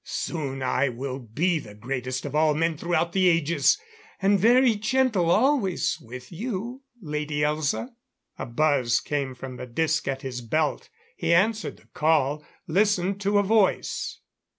Soon I will be the greatest of all men throughout the ages. And very gentle always, with you, Lady Elza " A buzz came from the disc at his belt. He answered the call listened to a voice.